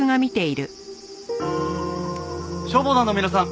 消防団の皆さん